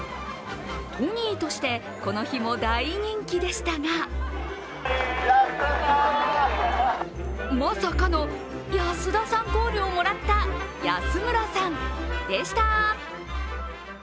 トニーとしてこの日も大人気でしたがまさかのヤスダさんコールをもらった、安村さんでした。